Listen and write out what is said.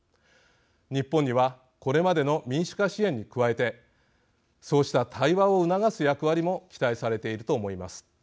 日本にはこれまでの民主化支援に加えてそうした対話を促す役割も期待されていると思います。